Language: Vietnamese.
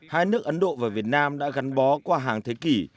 hai nước ấn độ và việt nam đã gắn bó qua hàng thế kỷ